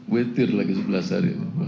betir lagi sebelas hari